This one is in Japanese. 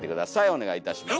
お願いいたします。